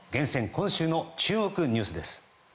今週の注目ニュースです。